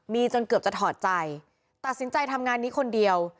มีจนเกือบจะถอดใจตัดสินใจทำงานนี้คนเดียว